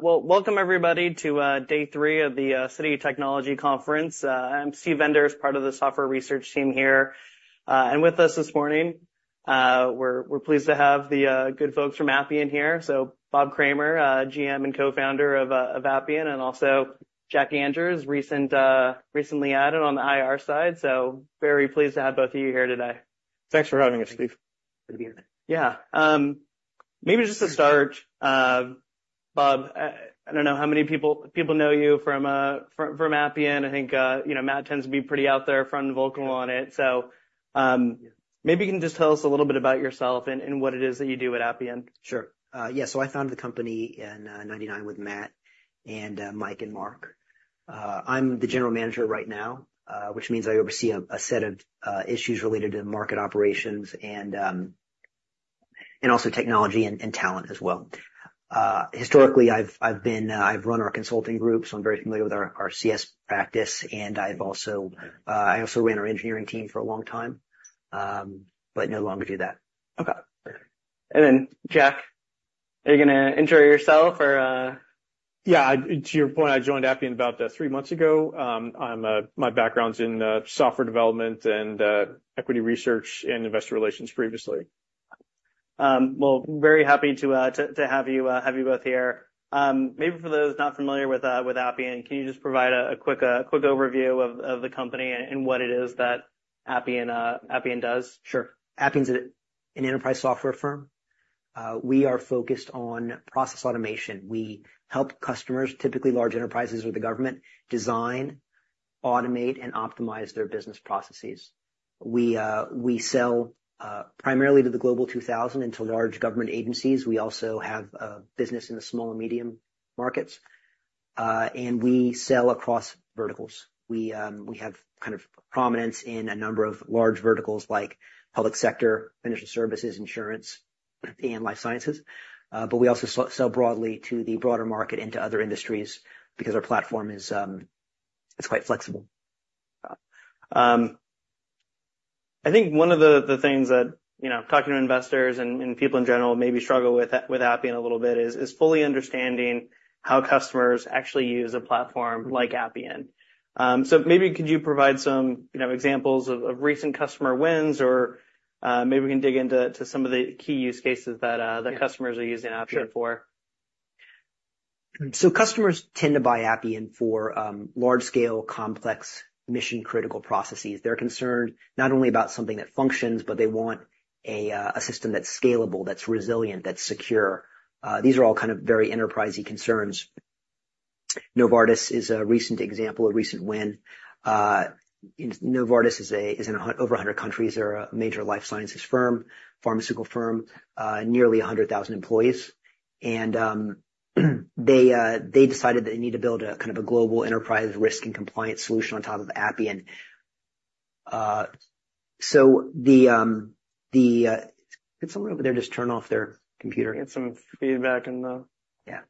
Welcome everybody to day three of the Citi Technology Conference. I'm Steve Enders, as part of the software research team here. With us this morning, we're pleased to have the good folks from Appian here. Bob Kramer, GM and co-founder of Appian, and also Jack Andrews, recently added on the IR side. Very pleased to have both of you here today. Thanks for having us, Steve. Good to be here. Yeah. Maybe just to start, Bob, I don't know how many people know you from Appian. I think, you know, Matt tends to be pretty out there, front, and vocal on it. So, maybe you can just tell us a little bit about yourself and what it is that you do at Appian. Sure. Yeah, so I founded the company in 1999 with Matt and Mike and Mark. I'm the general manager right now, which means I oversee a set of issues related to market operations and also technology and talent as well. Historically, I've run our consulting group, so I'm very familiar with our CS practice, and I also ran our engineering team for a long time, but no longer do that. Okay. And then, Jack, are you gonna intro yourself or- Yeah, to your point, I joined Appian about three months ago. My background's in software development and equity research and investor relations previously. Well, very happy to have you both here. Maybe for those not familiar with Appian, can you just provide a quick overview of the company and what it is that Appian does? Sure. Appian's an enterprise software firm. We are focused on process automation. We help customers, typically large enterprises or the government, design, automate, and optimize their business processes. We sell primarily to the Global 2000 and to large government agencies. We also have a business in the small and medium markets, and we sell across verticals. We have kind of prominence in a number of large verticals, like public sector, financial services, insurance, and life sciences. But we also sell broadly to the broader market into other industries because our platform is, it's quite flexible. I think one of the things that, you know, talking to investors and people in general, maybe struggle with Appian a little bit is fully understanding how customers actually use a platform like Appian. So maybe could you provide some, you know, examples of recent customer wins, or maybe we can dig into some of the key use cases that- Yeah. that customers are using Appian for. Sure, so customers tend to buy Appian for large-scale, complex, mission-critical processes. They're concerned not only about something that functions, but they want a system that's scalable, that's resilient, that's secure. These are all kind of very enterprisey concerns. Novartis is a recent example, a recent win. Novartis is in over a hundred countries. They're a major life sciences firm, pharmaceutical firm, nearly a hundred thousand employees, and they decided that they need to build a kind of global enterprise risk and compliance solution on top of Appian. Did someone over there just turn off their computer? We had some feedback in the- Yeah.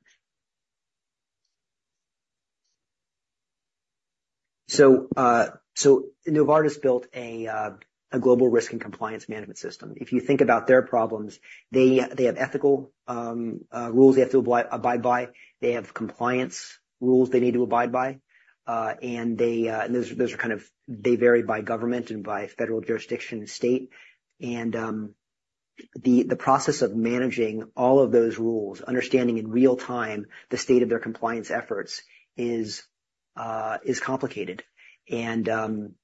So Novartis built a global risk and compliance management system. If you think about their problems, they have ethical rules they have to abide by. They have compliance rules they need to abide by. And those are kind of. They vary by government and by federal jurisdiction and state. And the process of managing all of those rules, understanding in real time, the state of their compliance efforts, is complicated. And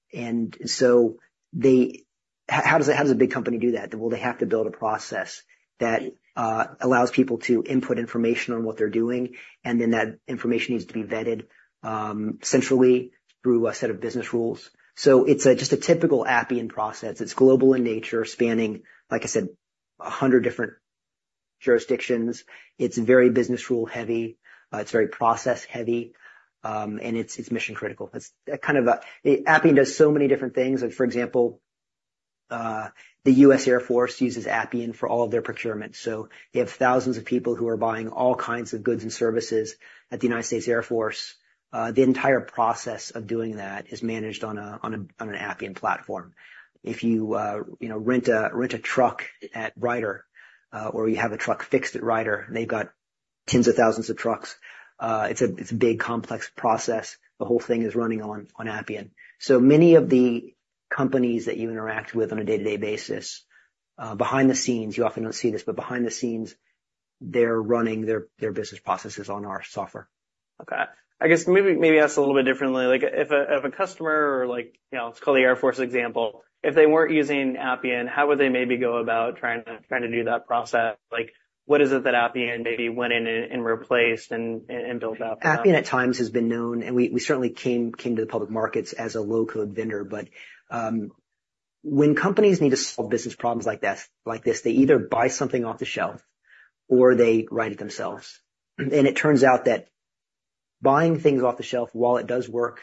so they. How does a big company do that? Well, they have to build a process that allows people to input information on what they're doing, and then that information needs to be vetted centrally through a set of business rules. So it's just a typical Appian process. It's global in nature, spanning, like I said, a hundred different jurisdictions. It's very business rule heavy, it's very process heavy, and it's mission-critical. It's kind of Appian does so many different things. Like, for example, the U.S. Air Force uses Appian for all of their procurement. So you have thousands of people who are buying all kinds of goods and services at the United States Air Force. The entire process of doing that is managed on an Appian platform. If you, you know, rent a truck at Ryder, or you have a truck fixed at Ryder, they've got tens of thousands of trucks. It's a big, complex process. The whole thing is running on Appian. So many of the companies that you interact with on a day-to-day basis, behind the scenes, you often don't see this, but behind the scenes, they're running their business processes on our software. Okay. I guess maybe ask a little bit differently. Like, if a customer or like, you know, let's call the Air Force example, if they weren't using Appian, how would they maybe go about trying to do that process? Like, what is it that Appian maybe went in and built out? Appian, at times, has been known, and we certainly came to the public markets as a low-code vendor, but when companies need to solve business problems like that, like this, they either buy something off the shelf or they write it themselves. And it turns out that buying things off the shelf, while it does work,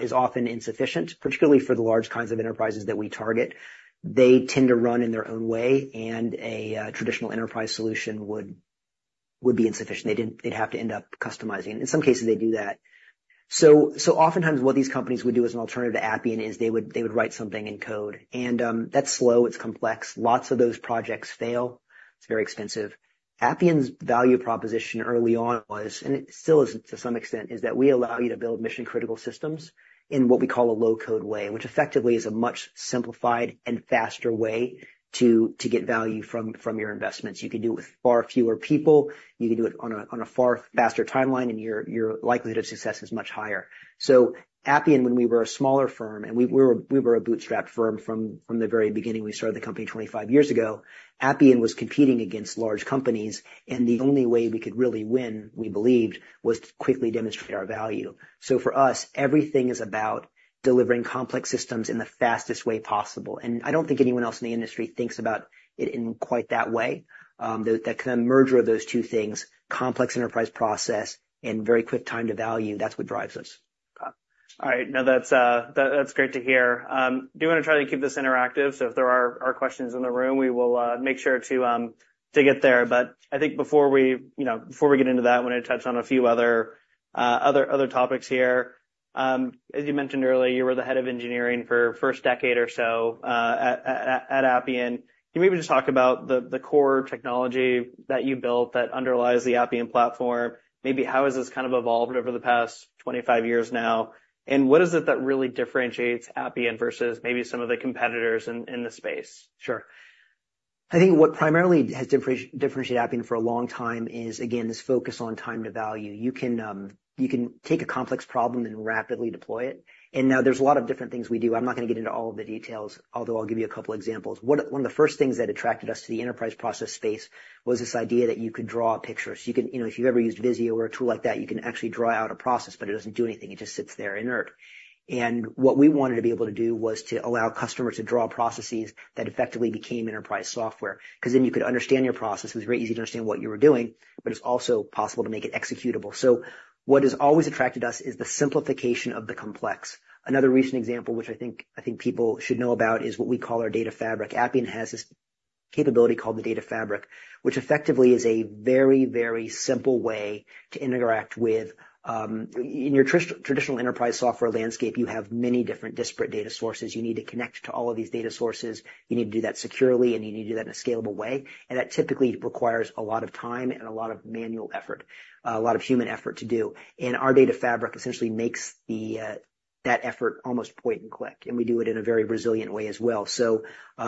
is often insufficient, particularly for the large kinds of enterprises that we target. They tend to run in their own way, and a traditional enterprise solution would be insufficient. They'd have to end up customizing it. In some cases, they do that. So oftentimes what these companies would do as an alternative to Appian is they would write something in code, and that's slow, it's complex. Lots of those projects fail. It's very expensive. Appian's value proposition early on was, and it still is to some extent, that we allow you to build mission-critical systems in what we call a low-code way, which effectively is a much simplified and faster way to get value from your investments. You can do it with far fewer people, you can do it on a far faster timeline, and your likelihood of success is much higher. So Appian, when we were a smaller firm, and we were a bootstrap firm from the very beginning, we started the company twenty-five years ago. Appian was competing against large companies, and the only way we could really win, we believed, was to quickly demonstrate our value. So for us, everything is about delivering complex systems in the fastest way possible, and I don't think anyone else in the industry thinks about it in quite that way. The kind of merger of those two things, complex enterprise process and very quick time to value, that's what drives us. Got it. All right. No, that's great to hear. Do wanna try to keep this interactive, so if there are questions in the room, we will make sure to get there. But I think before we, you know, before we get into that, I want to touch on a few other topics here. As you mentioned earlier, you were the head of engineering for first decade or so at Appian. Can you maybe just talk about the core technology that you built that underlies the Appian platform? Maybe how has this kind of evolved over the past 25 years now? And what is it that really differentiates Appian versus maybe some of the competitors in the space? Sure. I think what primarily has differentiated Appian for a long time is, again, this focus on time to value. You can take a complex problem and rapidly deploy it, and now there's a lot of different things we do. I'm not gonna get into all of the details, although I'll give you a couple examples. One of the first things that attracted us to the enterprise process space was this idea that you could draw a picture. So you can... You know, if you've ever used Visio or a tool like that, you can actually draw out a process, but it doesn't do anything. It just sits there inert. And what we wanted to be able to do was to allow customers to draw processes that effectively became enterprise software, 'cause then you could understand your process. It was very easy to understand what you were doing, but it's also possible to make it executable. So what has always attracted us is the simplification of the complex. Another recent example, which I think people should know about, is what we call our Data Fabric. Appian has this capability called the Data Fabric, which effectively is a very, very simple way to interact with. In your traditional enterprise software landscape, you have many different disparate data sources. You need to connect to all of these data sources. You need to do that securely, and you need to do that in a scalable way, and that typically requires a lot of time and a lot of manual effort, a lot of human effort to do. Our data fabric essentially makes the that effort almost point and click, and we do it in a very resilient way as well.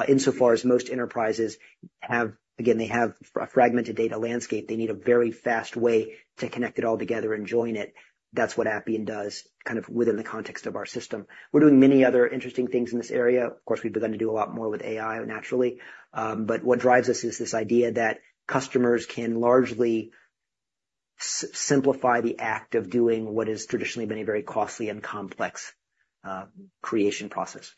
Insofar as most enterprises have, again, they have a fragmented data landscape, they need a very fast way to connect it all together and join it. That's what Appian does, kind of within the context of our system. We're doing many other interesting things in this area. Of course, we've begun to do a lot more with AI, naturally, but what drives us is this idea that customers can largely simplify the act of doing what has traditionally been a very costly and complex creation process.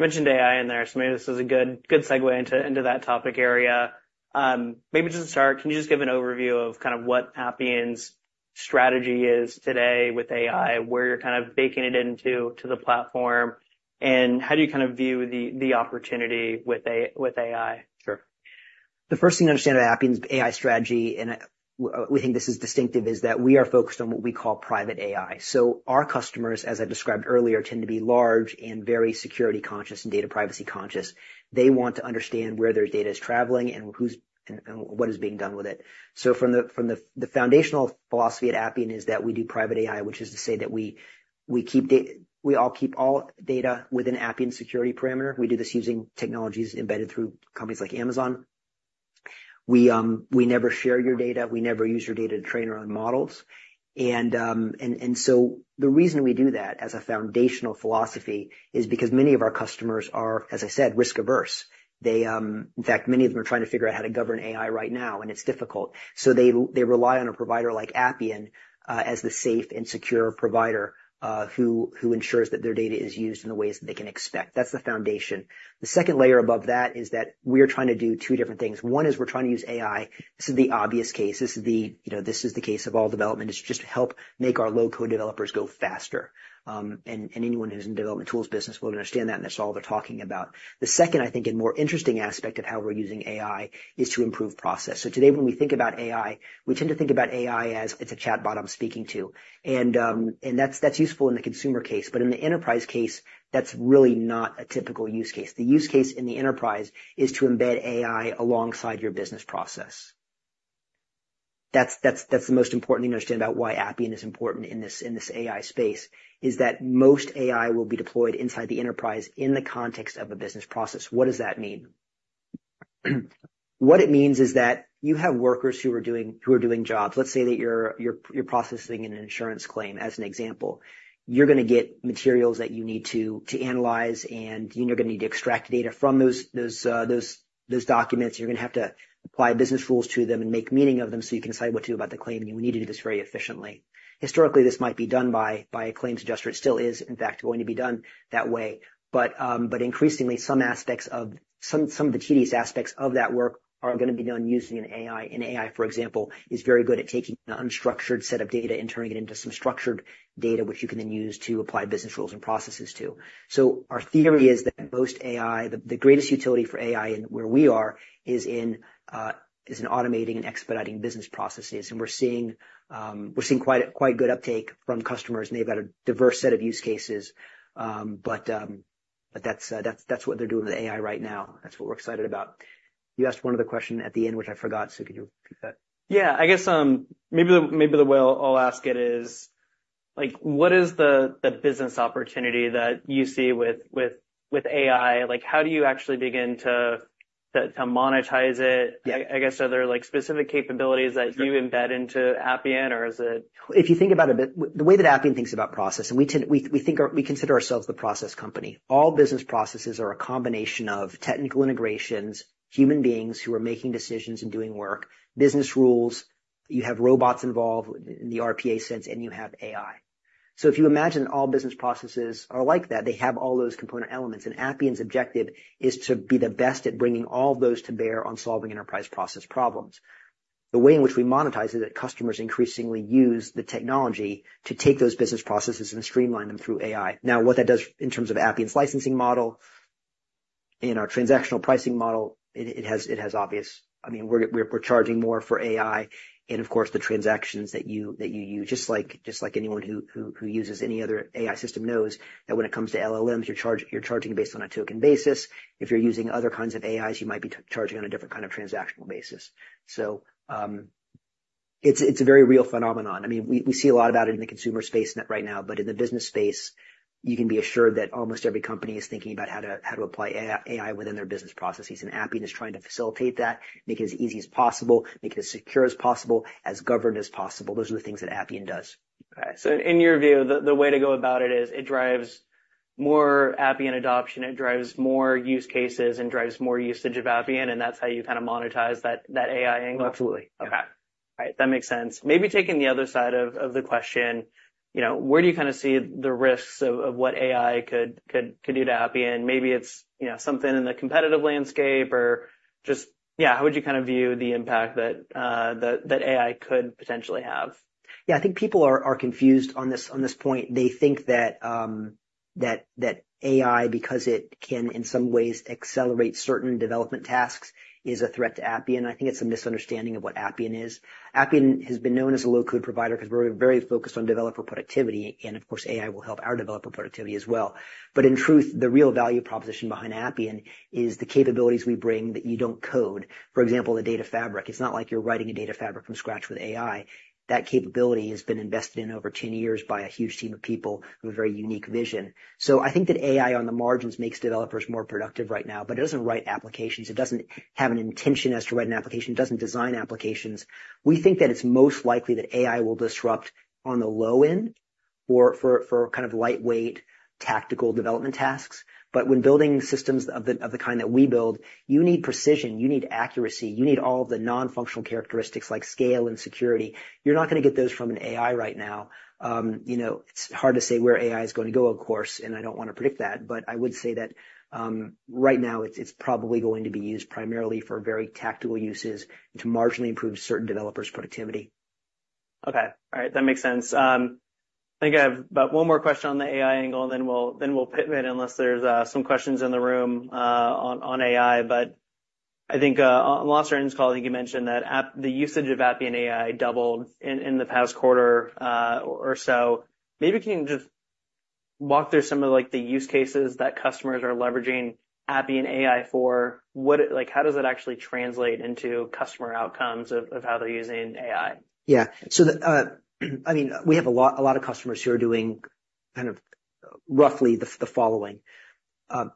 You mentioned AI in there, so maybe this is a good, good segue into that topic area. Maybe just to start, can you just give an overview of kind of what Appian's strategy is today with AI, where you're kind of baking it into the platform, and how do you kind of view the opportunity with AI? Sure. The first thing to understand about Appian's AI strategy, and we think this is distinctive, is that we are focused on what we call Private AI. So our customers, as I described earlier, tend to be large and very security conscious and data privacy conscious. They want to understand where their data is traveling and who's and what is being done with it. So from the foundational philosophy at Appian is that we do Private AI, which is to say that we keep all data within Appian security perimeter. We do this using technologies embedded through companies like Amazon. We never share your data. We never use your data to train our own models. So the reason we do that as a foundational philosophy is because many of our customers are, as I said, risk averse. They. In fact, many of them are trying to figure out how to govern AI right now, and it's difficult. So they rely on a provider like Appian as the safe and secure provider who ensures that their data is used in the ways that they can expect. That's the foundation. The second layer above that is that we are trying to do two different things. One is we're trying to use AI. This is the obvious case. This is the, you know, this is the case of all development, is just to help make our low-code developers go faster. Anyone who's in development tools business will understand that, and that's all they're talking about. The second, I think, and more interesting aspect of how we're using AI is to improve process. So today, when we think about AI, we tend to think about AI as it's a chatbot I'm speaking to, and and that's useful in the consumer case, but in the enterprise case, that's really not a typical use case. The use case in the enterprise is to embed AI alongside your business process. That's the most important to understand about why Appian is important in this AI space, is that most AI will be deployed inside the enterprise in the context of a business process. What does that mean? What it means is that you have workers who are doing jobs. Let's say that you're processing an insurance claim, as an example. You're gonna get materials that you need to analyze, and you're gonna need to extract data from those documents. You're gonna have to apply business rules to them and make meaning of them so you can decide what to do about the claim, and you need to do this very efficiently. Historically, this might be done by a claims adjuster. It still is, in fact, going to be done that way. But increasingly, some of the tedious aspects of that work are gonna be done using an AI. And AI, for example, is very good at taking an unstructured set of data and turning it into some structured data, which you can then use to apply business rules and processes to. So our theory is that most AI, the greatest utility for AI and where we are, is in automating and expediting business processes. And we're seeing quite good uptake from customers, and they've got a diverse set of use cases. But that's what they're doing with AI right now. That's what we're excited about. You asked one other question at the end, which I forgot, so could you repeat that? Yeah, I guess, maybe the way I'll ask it is, like, what is the business opportunity that you see with AI? Like, how do you actually begin to monetize it? Yeah. I guess, are there like specific capabilities- Sure... that you embed into Appian, or is it? If you think about it a bit, the way that Appian thinks about process, and we consider ourselves the process company. All business processes are a combination of technical integrations, human beings who are making decisions and doing work, business rules, you have robots involved in the RPA sense, and you have AI. If you imagine all business processes are like that, they have all those component elements, and Appian's objective is to be the best at bringing all of those to bear on solving enterprise process problems. The way in which we monetize it is that customers increasingly use the technology to take those business processes and streamline them through AI. Now, what that does in terms of Appian's licensing model, in our transactional pricing model, it has obvious. I mean, we're charging more for AI, and of course, the transactions that you use, just like anyone who uses any other AI system knows, that when it comes to LLMs, you're charging based on a token basis. If you're using other kinds of AIs, you might be charging on a different kind of transactional basis. So, it's a very real phenomenon. I mean, we see a lot about it in the consumer space right now, but in the business space, you can be assured that almost every company is thinking about how to apply AI within their business processes, and Appian is trying to facilitate that, make it as easy as possible, make it as secure as possible, as governed as possible. Those are the things that Appian does. Okay. In your view, the way to go about it is, it drives more Appian adoption, it drives more use cases, and drives more usage of Appian, and that's how you kind of monetize that AI angle? Absolutely. Okay. All right, that makes sense. Maybe taking the other side of the question, you know, where do you kind of see the risks of what AI could do to Appian? Maybe it's, you know, something in the competitive landscape or just... Yeah, how would you kind of view the impact that AI could potentially have? Yeah, I think people are confused on this point. They think that AI, because it can, in some ways, accelerate certain development tasks, is a threat to Appian. I think it's a misunderstanding of what Appian is. Appian has been known as a low-code provider, because we're very focused on developer productivity, and of course, AI will help our developer productivity as well. But in truth, the real value proposition behind Appian is the capabilities we bring that you don't code. For example, the data fabric. It's not like you're writing a data fabric from scratch with AI. That capability has been invested in over 10 years by a huge team of people with a very unique vision. So I think that AI, on the margins, makes developers more productive right now, but it doesn't write applications. It doesn't have an intention as to write an application. It doesn't design applications. We think that it's most likely that AI will disrupt on the low end or for kind of lightweight, tactical development tasks. But when building systems of the kind that we build, you need precision, you need accuracy, you need all of the non-functional characteristics like scale and security. You're not gonna get those from an AI right now. You know, it's hard to say where AI is going to go, of course, and I don't want to predict that, but I would say that right now, it's probably going to be used primarily for very tactical uses to marginally improve certain developers' productivity. Okay. All right, that makes sense. I think I have about one more question on the AI angle, and then we'll pivot, unless there's some questions in the room on AI. But I think on last earnings call, I think you mentioned that the usage of Appian AI doubled in the past quarter or so. Maybe you can just walk through some of, like, the use cases that customers are leveraging Appian AI for. What it-- Like, how does that actually translate into customer outcomes of how they're using AI? Yeah, so I mean, we have a lot of customers who are doing kind of roughly the following. The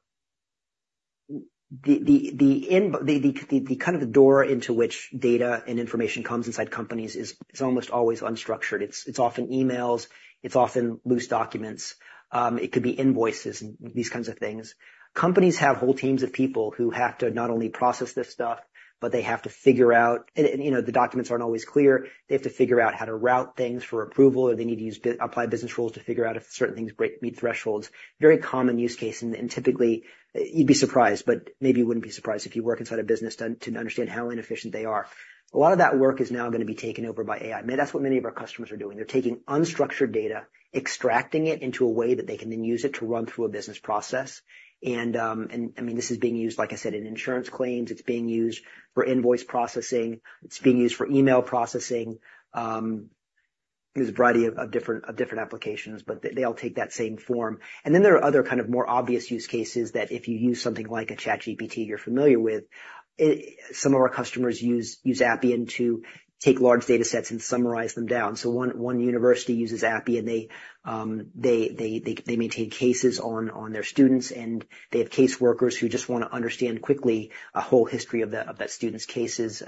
kind of door into which data and information comes inside companies is almost always unstructured. It's often emails, it's often loose documents, it could be invoices and these kinds of things. Companies have whole teams of people who have to not only process this stuff, but they have to figure out, you know, the documents aren't always clear. They have to figure out how to route things for approval, or they need to apply business rules to figure out if certain things meet thresholds. Very common use case, and typically, you'd be surprised, but maybe you wouldn't be surprised if you work inside a business, to understand how inefficient they are. A lot of that work is now going to be taken over by AI. That's what many of our customers are doing. They're taking unstructured data, extracting it into a way that they can then use it to run through a business process. And, I mean, this is being used, like I said, in insurance claims; it's being used for invoice processing; it's being used for email processing. There's a variety of different applications, but they all take that same form. And then there are other kind of more obvious use cases that if you use something like a ChatGPT, you're familiar with. Some of our customers use Appian to take large data sets and summarize them down. So one university uses Appian. They maintain cases on their students, and they have caseworkers who just wanna understand quickly a whole history of that student's cases,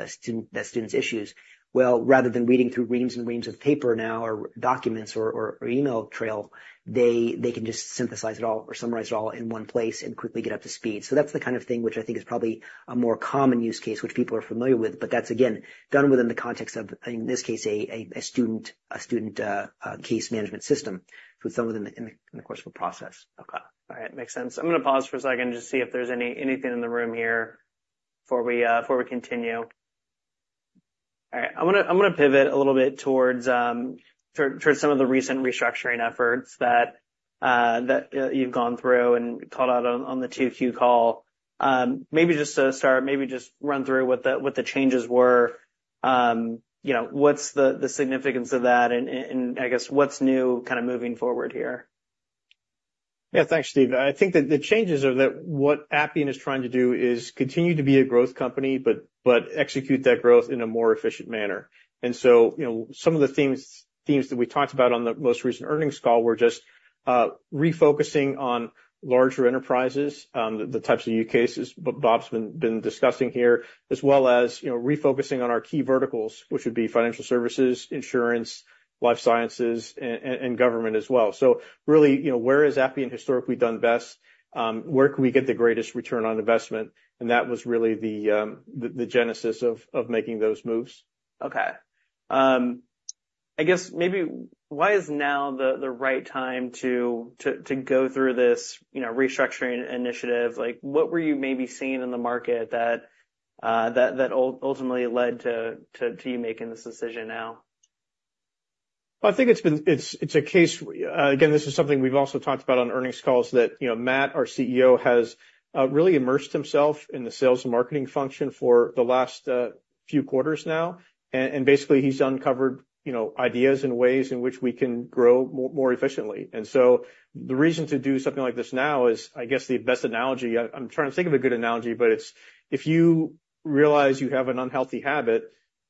that student's issues. Rather than reading through reams and reams of paper now, or documents or email trail, they can just synthesize it all or summarize it all in one place and quickly get up to speed. So that's the kind of thing which I think is probably a more common use case, which people are familiar with, but that's, again, done within the context of, in this case, a student case management system for some of them in the course of a process. Okay. All right. Makes sense. I'm gonna pause for a second to see if there's anything in the room here before we before we continue. All right. I'm gonna pivot a little bit towards some of the recent restructuring efforts that that you've gone through and called out on, on the two Q call. Maybe just to start, maybe just run through what the changes were. You know, what's the significance of that, and I guess, what's new kind of moving forward here? Yeah, thanks, Steve. I think that the changes are that what Appian is trying to do is continue to be a growth company, but execute that growth in a more efficient manner. And so, you know, some of the themes that we talked about on the most recent earnings call were just refocusing on larger enterprises, the types of use cases Bob's been discussing here, as well as, you know, refocusing on our key verticals, which would be financial services, insurance, life sciences, and government as well. So really, you know, where has Appian historically done best? Where can we get the greatest return on investment? And that was really the genesis of making those moves. Okay. I guess maybe why is now the right time to go through this, you know, restructuring initiative? Like, what were you maybe seeing in the market that ultimately led to you making this decision now? Well, I think it's a case. Again, this is something we've also talked about on earnings calls, that you know Matt, our CEO, has really immersed himself in the sales and marketing function for the last few quarters now. And basically, he's uncovered you know ideas and ways in which we can grow more efficiently. And so the reason to do something like this now is, I guess, the best analogy. I'm trying to think of a good analogy, but it's if you realize you have an unhealthy habit,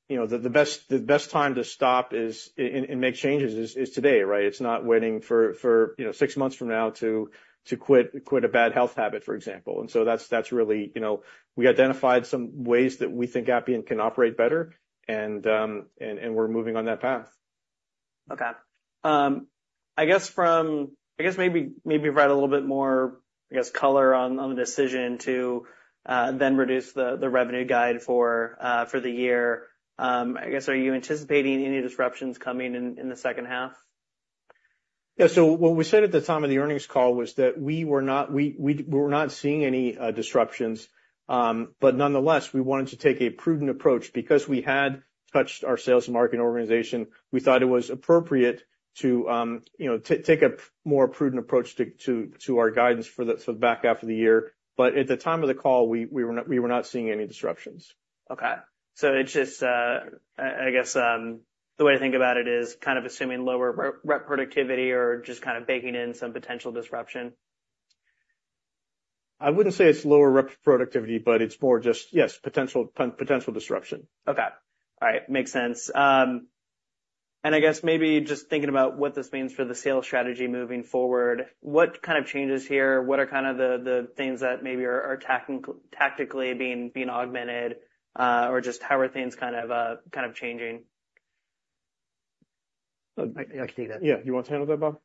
you know, the best time to stop and make changes is today, right? It's not waiting for you know six months from now to quit a bad health habit, for example. And so that's really, you know, we identified some ways that we think Appian can operate better, and we're moving on that path. Okay. I guess maybe provide a little bit more, I guess, color on the decision to then reduce the revenue guidance for the year. I guess, are you anticipating any disruptions coming in the second half? Yeah. So what we said at the time of the earnings call was that we were not seeing any disruptions, but nonetheless, we wanted to take a prudent approach. Because we had touched our sales and marketing organization, we thought it was appropriate to, you know, take a more prudent approach to our guidance for the back half of the year. But at the time of the call, we were not seeing any disruptions. Okay, so it's just, I guess, the way to think about it is kind of assuming lower rep productivity or just kind of baking in some potential disruption? I wouldn't say it's lower rep productivity, but it's more just, yes, potential, potential disruption. Okay. All right. Makes sense. And I guess maybe just thinking about what this means for the sales strategy moving forward, what kind of changes here, what are kind of the things that maybe are tactically being augmented, or just how are things kind of changing? I can take that. Yeah. You want to handle that, Bob?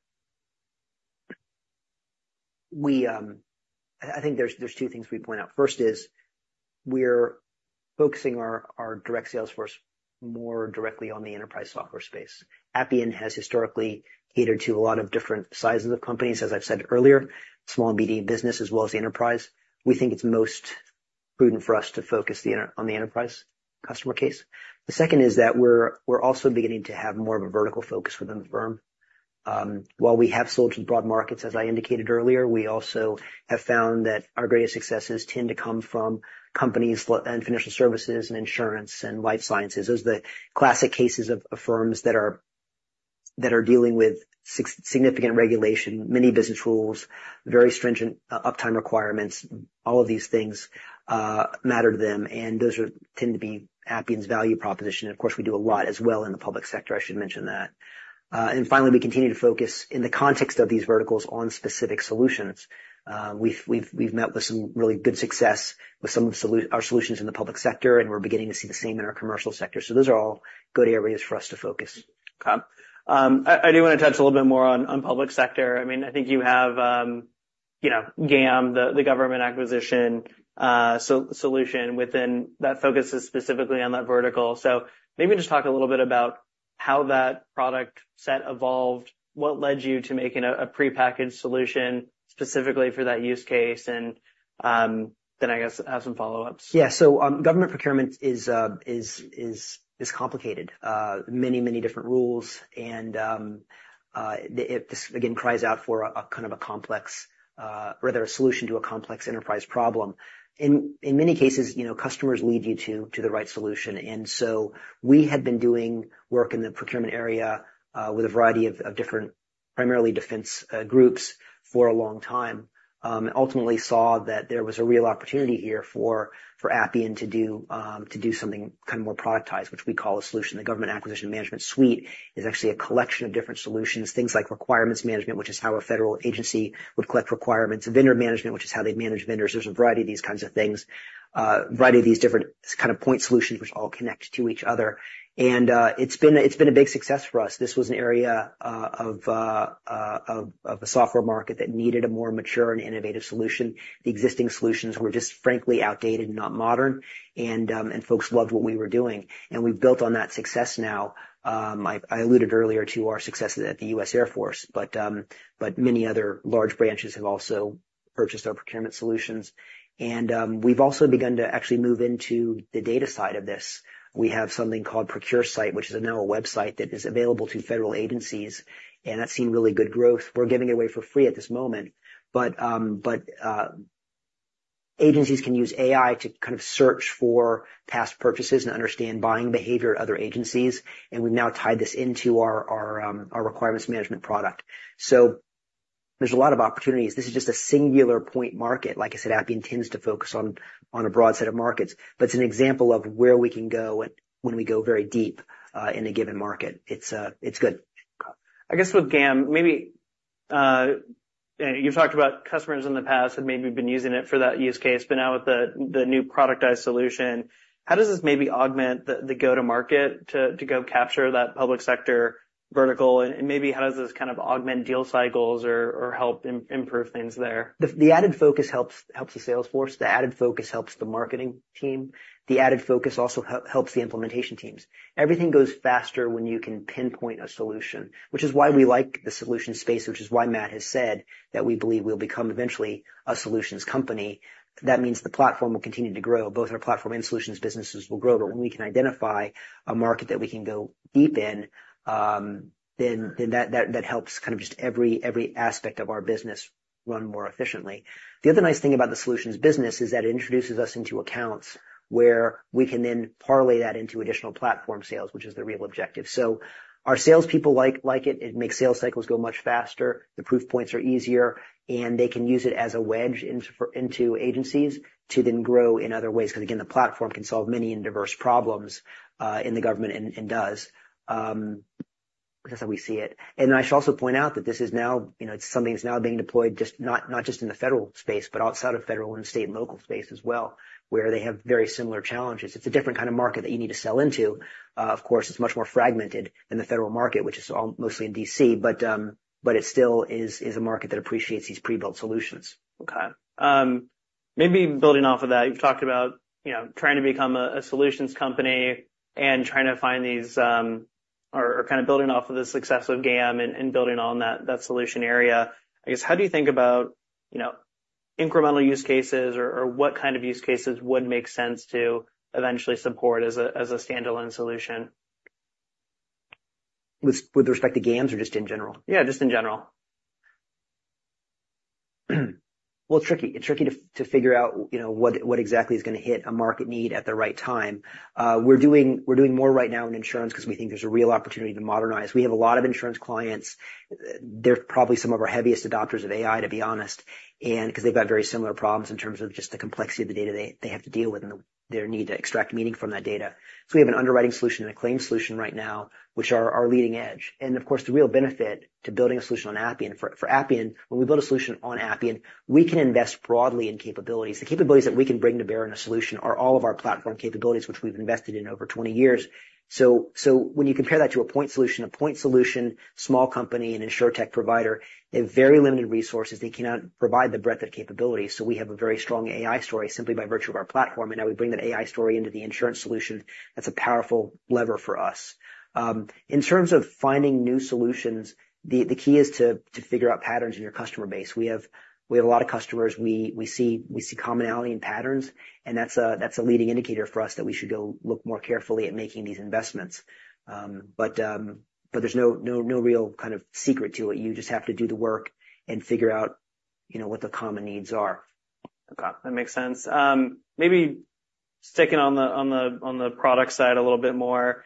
I think there's two things we'd point out. First is, we're focusing our direct sales force more directly on the enterprise software space. Appian has historically catered to a lot of different sizes of companies, as I've said earlier, small and medium business as well as the enterprise. We think it's most prudent for us to focus on the enterprise customer case. The second is that we're also beginning to have more of a vertical focus within the firm. While we have sold to broad markets, as I indicated earlier, we also have found that our greatest successes tend to come from companies and financial services and insurance and life sciences. Those are the classic cases of firms that are dealing with significant regulation, many business rules, very stringent uptime requirements. All of these things matter to them, and those are tend to be Appian's value proposition. And, of course, we do a lot as well in the public sector, I should mention that. And finally, we continue to focus, in the context of these verticals, on specific solutions. We've met with some really good success with some of our solutions in the public sector, and we're beginning to see the same in our commercial sector. So those are all good areas for us to focus. Okay. I do wanna touch a little bit more on public sector. I mean, I think you have, you know, GAM, the government acquisition solution within that focuses specifically on that vertical. So maybe just talk a little bit about how that product set evolved, what led you to making a prepackaged solution specifically for that use case, and then I guess I have some follow-ups. Yeah. So, government procurement is complicated. Many different rules, and this again cries out for a kind of complex, or rather a solution to a complex enterprise problem. In many cases, you know, customers lead you to the right solution, and so we had been doing work in the procurement area with a variety of different, primarily defense groups for a long time. Ultimately saw that there was a real opportunity here for Appian to do something kind of more productized, which we call a solution. The Government Acquisition Management Suite is actually a collection of different solutions, things like requirements management, which is how a federal agency would collect requirements, vendor management, which is how they manage vendors. There's a variety of these kinds of things, variety of these different kind of point solutions, which all connect to each other. It's been a big success for us. This was an area of a software market that needed a more mature and innovative solution. The existing solutions were just, frankly, outdated and not modern, and folks loved what we were doing, and we've built on that success now. I alluded earlier to our successes at the U.S. Air Force, but many other large branches have also purchased our procurement solutions. We've also begun to actually move into the data side of this. We have something called ProcureSight, which is now a website that is available to federal agencies, and that's seen really good growth. We're giving it away for free at this moment, but agencies can use AI to kind of search for past purchases and understand buying behavior of other agencies, and we've now tied this into our requirements management product. So there's a lot of opportunities. This is just a singular point market. Like I said, Appian tends to focus on a broad set of markets, but it's an example of where we can go when we go very deep in a given market. It's good. I guess with GAM, maybe, you've talked about customers in the past, and maybe been using it for that use case, but now with the new productized solution, how does this maybe augment the go-to-market to go capture that public sector vertical? And maybe how does this kind of augment deal cycles or help improve things there? The added focus helps the sales force. The added focus helps the marketing team. The added focus also helps the implementation teams. Everything goes faster when you can pinpoint a solution, which is why we like the solution space, which is why Matt has said that we believe we'll become eventually a solutions company. That means the platform will continue to grow. Both our platform and solutions businesses will grow, but when we can identify a market that we can go deep in, then that helps kind of just every aspect of our business run more efficiently. The other nice thing about the solutions business is that it introduces us into accounts where we can then parlay that into additional platform sales, which is the real objective. So our salespeople like it. It makes sales cycles go much faster, the proof points are easier, and they can use it as a wedge into agencies to then grow in other ways. Because, again, the platform can solve many and diverse problems in the government and does. That's how we see it. And I should also point out that this is now, you know, it's something that's now being deployed not just in the federal space, but outside of federal and state and local space as well, where they have very similar challenges. It's a different kind of market that you need to sell into. Of course, it's much more fragmented than the federal market, which is all mostly in D.C., but it still is a market that appreciates these pre-built solutions. Okay. Maybe building off of that, you've talked about, you know, trying to become a, a solutions company and trying to find these, or, or kind of building off of the success of GAM and, and building on that, that solution area. I guess, how do you think about, you know, incremental use cases, or, or what kind of use cases would make sense to eventually support as a, as a standalone solution? With respect to GAMs or just in general? Yeah, just in general. It's tricky. It's tricky to figure out, you know, what exactly is gonna hit a market need at the right time. We're doing more right now in insurance because we think there's a real opportunity to modernize. We have a lot of insurance clients. They're probably some of our heaviest adopters of AI, to be honest, and 'cause they've got very similar problems in terms of just the complexity of the data they have to deal with and their need to extract meaning from that data. So we have an underwriting solution and a claims solution right now, which are our leading edge. And of course, the real benefit to building a solution on Appian for Appian, when we build a solution on Appian, we can invest broadly in capabilities. The capabilities that we can bring to bear on a solution are all of our platform capabilities, which we've invested in over twenty years. So when you compare that to a point solution, small company, an insurtech provider, they have very limited resources. They cannot provide the breadth of capabilities. So we have a very strong AI story simply by virtue of our platform, and now we bring that AI story into the insurance solution. That's a powerful lever for us. In terms of finding new solutions, the key is to figure out patterns in your customer base. We have a lot of customers. We see commonality in patterns, and that's a leading indicator for us that we should go look more carefully at making these investments. But there's no, no, no real kind of secret to it. You just have to do the work and figure out, you know, what the common needs are. Okay, that makes sense. Maybe sticking on the product side a little bit more.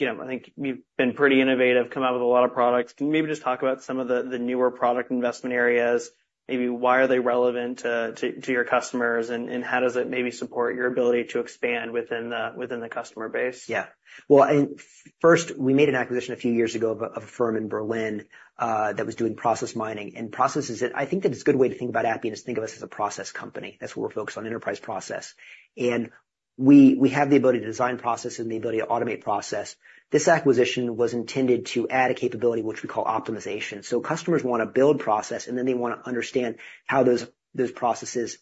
You know, I think we've been pretty innovative, come out with a lot of products. Can you maybe just talk about some of the newer product investment areas, maybe why are they relevant to your customers, and how does it maybe support your ability to expand within the customer base? Yeah. Well, and first, we made an acquisition a few years ago of a firm in Berlin that was doing process mining. And processes, I think that it's a good way to think about Appian, is think of us as a process company. That's what we're focused on, enterprise process. And we have the ability to design process and the ability to automate process. This acquisition was intended to add a capability, which we call optimization. So customers want to build process, and then they want to understand how those processes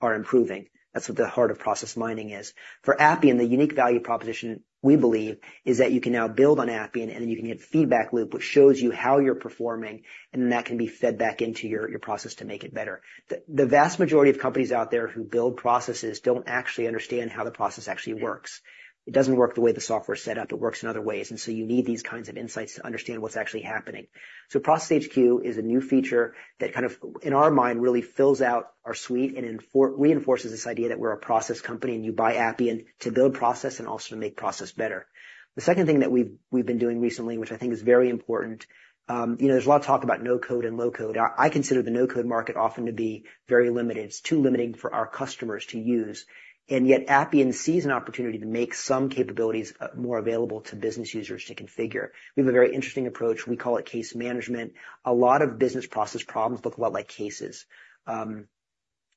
are improving. That's what the heart of process mining is. For Appian, the unique value proposition, we believe, is that you can now build on Appian, and then you can get feedback loop, which shows you how you're performing, and then that can be fed back into your process to make it better. The vast majority of companies out there who build processes don't actually understand how the process actually works. It doesn't work the way the software is set up. It works in other ways, and so you need these kinds of insights to understand what's actually happening. So Process HQ is a new feature that kind of, in our mind, really fills out our suite and reinforces this idea that we're a process company, and you buy Appian to build process and also to make process better. The second thing that we've been doing recently, which I think is very important, you know, there's a lot of talk about no-code and low-code. I consider the no-code market often to be very limited. It's too limiting for our customers to use, and yet Appian sees an opportunity to make some capabilities more available to business users to configure. We have a very interesting approach. We call it case management. A lot of business process problems look a lot like cases.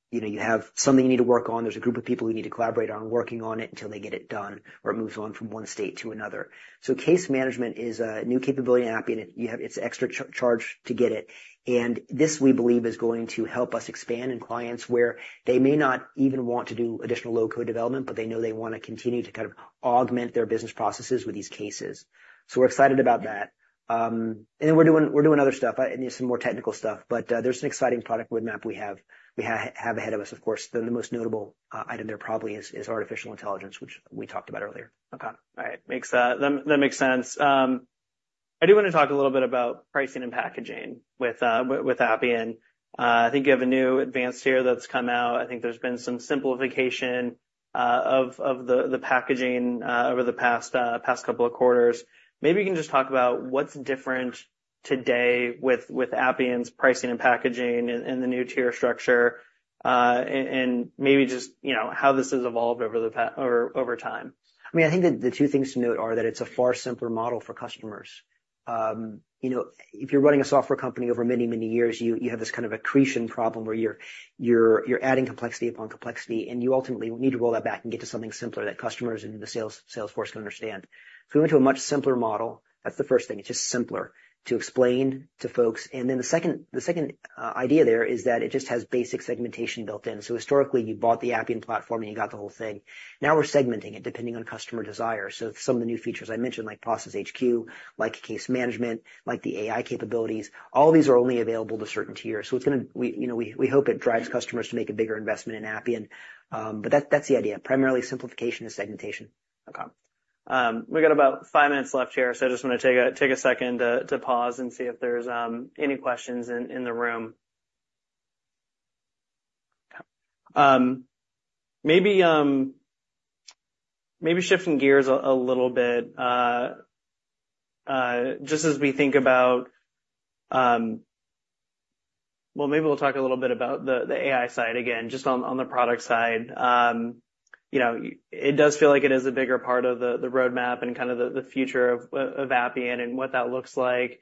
You know, you have something you need to work on. There's a group of people you need to collaborate on, working on it until they get it done or it moves on from one state to another. So case management is a new capability in Appian, and it's extra charge to get it. And this, we believe, is going to help us expand in clients where they may not even want to do additional low-code development, but they know they want to continue to kind of augment their business processes with these cases. So we're excited about that. And then we're doing other stuff and some more technical stuff, but there's an exciting product roadmap we have ahead of us. Of course, the most notable item there probably is artificial intelligence, which we talked about earlier. Okay. All right. That makes sense. I do wanna talk a little bit about pricing and packaging with Appian. I think you have a new advanced tier that's come out. I think there's been some simplification of the packaging over the past couple of quarters. Maybe you can just talk about what's different today with Appian's pricing and packaging and the new tier structure, and maybe just, you know, how this has evolved over the past or over time. I mean, I think that the two things to note are that it's a far simpler model for customers. You know, if you're running a software company over many, many years, you have this kind of accretion problem, where you're adding complexity upon complexity, and you ultimately need to roll that back and get to something simpler that customers and the sales force can understand. So we went to a much simpler model. That's the first thing. It's just simpler to explain to folks. And then the second idea there is that it just has basic segmentation built in. So historically, you bought the Appian Platform, and you got the whole thing. Now we're segmenting it, depending on customer desire. So some of the new features I mentioned, like Process HQ, like case management, like the AI capabilities, all these are only available to certain tiers. So it's gonna, you know, we hope it drives customers to make a bigger investment in Appian. But that's the idea, primarily simplification and segmentation. Okay. We've got about five minutes left here, so I just wanna take a second to pause and see if there's any questions in the room. Maybe shifting gears a little bit, just as we think about. Well, maybe we'll talk a little bit about the AI side again, just on the product side. You know, it does feel like it is a bigger part of the roadmap and kind of the future of Appian and what that looks like.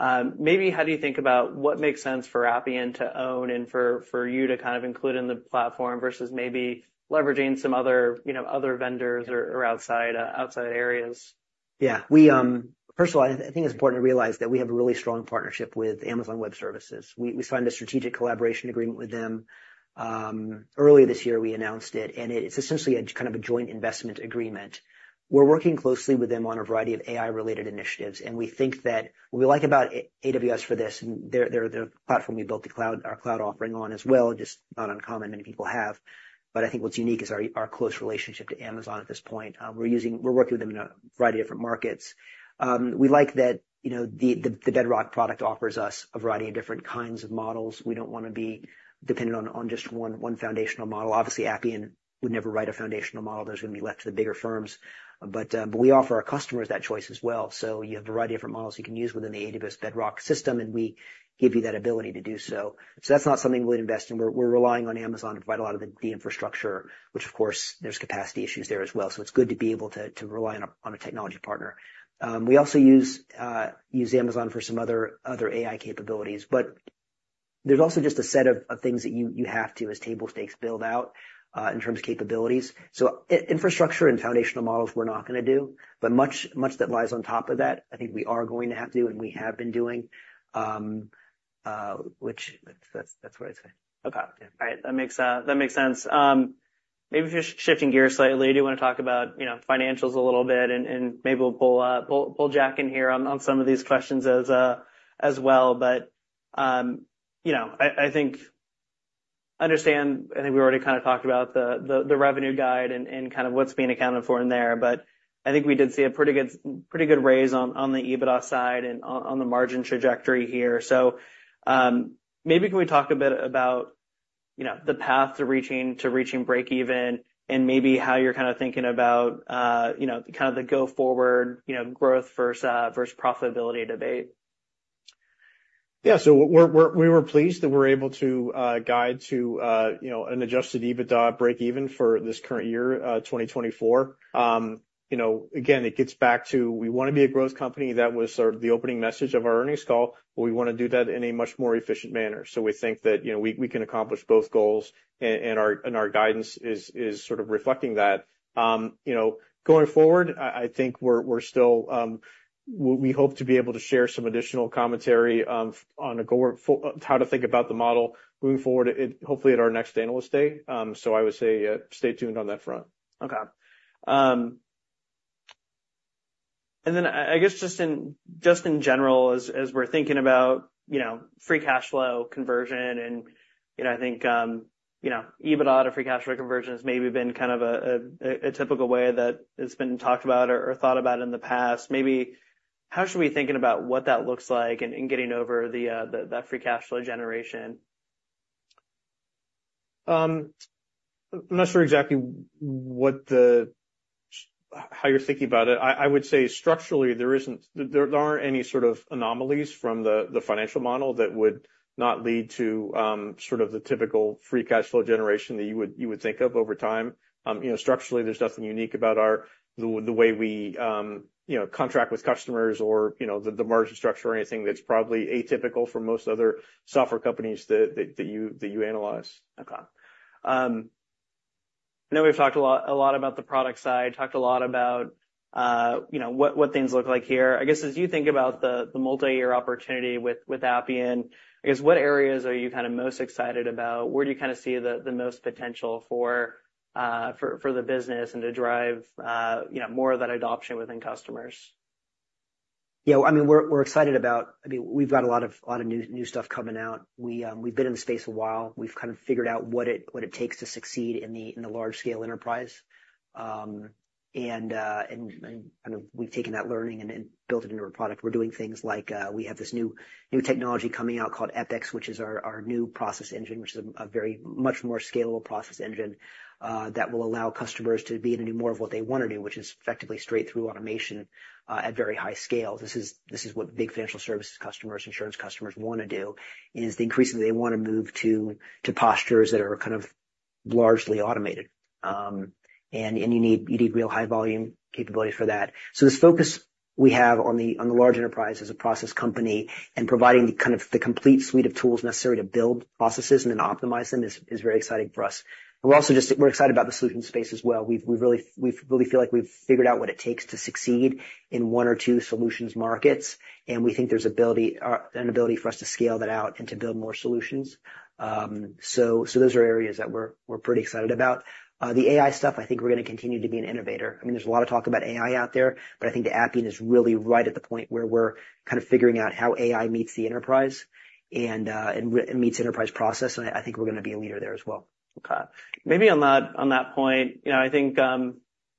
Maybe how do you think about what makes sense for Appian to own and for you to kind of include in the platform versus maybe leveraging some other, you know, other vendors or outside areas? Yeah. We first of all, I think it's important to realize that we have a really strong partnership with Amazon Web Services. We signed a strategic collaboration agreement with them early this year, we announced it, and it's essentially a kind of a joint investment agreement. We're working closely with them on a variety of AI-related initiatives, and we think that what we like about AWS for this, and they're the platform we built the cloud, our cloud offering on as well, just not uncommon, many people have, but I think what's unique is our close relationship to Amazon at this point. We're working with them in a variety of different markets. We like that, you know, the Bedrock product offers us a variety of different kinds of models. We don't wanna be dependent on just one foundational model. Obviously, Appian would never write a foundational model. That's gonna be left to the bigger firms. But we offer our customers that choice as well. So you have a variety of different models you can use within the Amazon Bedrock system, and we give you that ability to do so. So that's not something we'd invest in. We're relying on Amazon to provide a lot of the infrastructure, which, of course, there's capacity issues there as well. So it's good to be able to rely on a technology partner. We also use Amazon for some other AI capabilities, but there's also just a set of things that you have to, as table stakes, build out in terms of capabilities. So infrastructure and foundational models, we're not gonna do, but much, much that lies on top of that, I think we are going to have to, and we have been doing, which that's, that's what I'd say. Okay. All right. That makes sense. Maybe just shifting gears slightly, I do wanna talk about, you know, financials a little bit, and maybe we'll pull Jack in here on some of these questions as well. But, you know, I think I understand. I think we already kind of talked about the revenue guide and kind of what's being accounted for in there, but I think we did see a pretty good raise on the EBITDA side and on the margin trajectory here. So, maybe can we talk a bit about, you know, the path to reaching breakeven and maybe how you're kind of thinking about, you know, kind of the go-forward growth versus profitability debate? Yeah, so we were pleased that we're able to guide to, you know, an Adjusted EBITDA breakeven for this current year, 2024. You know, again, it gets back to we wanna be a growth company. That was sort of the opening message of our earnings call, but we wanna do that in a much more efficient manner. So we think that, you know, we can accomplish both goals, and our guidance is sort of reflecting that. You know, going forward, I think we're still we hope to be able to share some additional commentary on a go-forward how to think about the model moving forward, it hopefully at our next analyst day. So I would say, stay tuned on that front. Okay. And then I guess just in general, as we're thinking about, you know, free cash flow conversion and, you know, I think, you know, EBITDA to free cash flow conversion has maybe been kind of a typical way that it's been talked about or thought about in the past. Maybe how should we be thinking about what that looks like in getting over the that free cash flow generation? I'm not sure exactly what the, how you're thinking about it. I would say structurally, there aren't any sort of anomalies from the financial model that would not lead to sort of the typical free cash flow generation that you would think of over time. You know, structurally, there's nothing unique about our, the way we contract with customers or, you know, the margin structure or anything that's probably atypical for most other software companies that you analyze. Okay. I know we've talked a lot, a lot about the product side, talked a lot about, you know, what things look like here. I guess, as you think about the multiyear opportunity with Appian, I guess, what areas are you kind of most excited about? Where do you kind of see the most potential for the business and to drive, you know, more of that adoption within customers? Yeah, I mean, we're excited about. I mean, we've got a lot of new stuff coming out. We've been in the space a while. We've kind of figured out what it takes to succeed in the large-scale enterprise. We've taken that learning and then built it into our product. We're doing things like we have this new technology coming out called EPEX, which is our new process engine, which is a very much more scalable process engine that will allow customers to be able to do more of what they wanna do, which is effectively straight through automation at very high scale. This is what big financial services customers, insurance customers wanna do, is increasingly they wanna move to postures that are kind of largely automated. You need real high volume capability for that, so this focus we have on the large enterprise as a process company and providing kind of the complete suite of tools necessary to build processes and then optimize them is very exciting for us, and we're also excited about the solution space as well. We really feel like we've figured out what it takes to succeed in one or two solutions markets, and we think there's an ability for us to scale that out and to build more solutions. Those are areas that we're pretty excited about. The AI stuff, I think we're gonna continue to be an innovator. I mean, there's a lot of talk about AI out there, but I think the Appian is really right at the point where we're kind of figuring out how AI meets the enterprise, and meets enterprise process, and I think we're gonna be a leader there as well. Okay. Maybe on that, on that point, you know, I think, I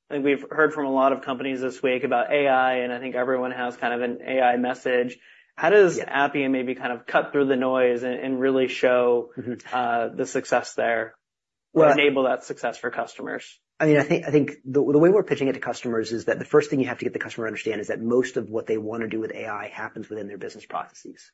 think we've heard from a lot of companies this week about AI, and I think everyone has kind of an AI message. Yeah. How does Appian maybe kind of cut through the noise and really show- Mm-hmm... the success there? Well- Enable that success for customers. I mean, I think the way we're pitching it to customers is that the first thing you have to get the customer to understand is that most of what they wanna do with AI happens within their business processes.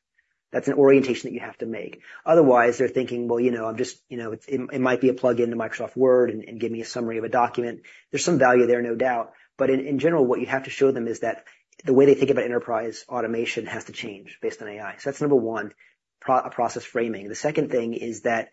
That's an orientation that you have to make. Otherwise, they're thinking, well, you know, I'm just, you know, it might be a plug-in to Microsoft Word and give me a summary of a document. There's some value there, no doubt, but in general, what you have to show them is that the way they think about enterprise automation has to change based on AI. So that's number one, process framing. The second thing is that,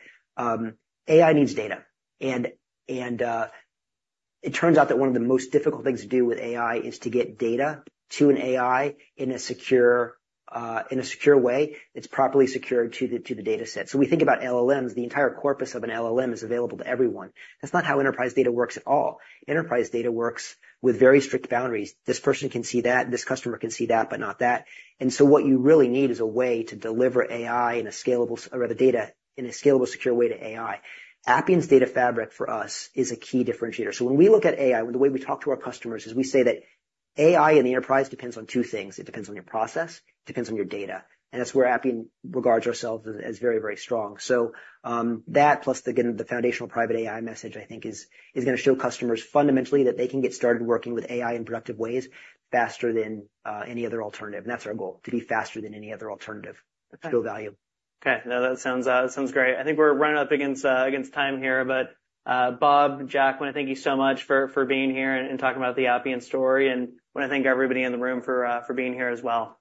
AI needs data, and it turns out that one of the most difficult things to do with AI is to get data to an AI in a secure way, that's properly secured to the data set. So we think about LLMs, the entire corpus of an LLM is available to everyone. That's not how enterprise data works at all. Enterprise data works with very strict boundaries. This person can see that, this customer can see that, but not that. And so what you really need is a way to deliver AI in a scalable, or the data in a scalable, secure way to AI. Appian's Data Fabric for us is a key differentiator. So when we look at AI, the way we talk to our customers is we say that AI in the enterprise depends on two things. It depends on your process, it depends on your data, and that's where Appian regards ourselves as very, very strong. So that, plus, again, the foundational private AI message, I think is gonna show customers fundamentally that they can get started working with AI in productive ways, faster than any other alternative. And that's our goal, to be faster than any other alternative. Okay. To value. Okay. No, that sounds great. I think we're running up against time here, but Bob, Jack, I wanna thank you so much for being here and talking about the Appian story, and wanna thank everybody in the room for being here as well.